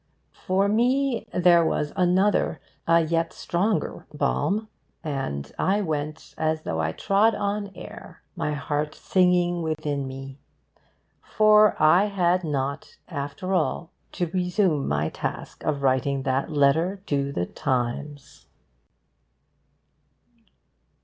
For me there was another, a yet stronger, balm. And I went as though I trod on air, my heart singing within me. For I had not, after all, to resume my task of writing that letter to The Times.